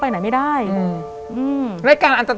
แต่ขอให้เรียนจบปริญญาตรีก่อน